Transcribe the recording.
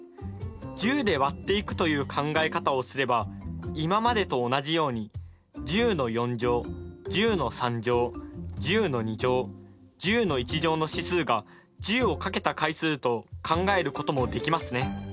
１０で割っていくという考え方をすれば今までと同じように１０１０１０１０の指数が１０をかけた回数と考えることもできますね。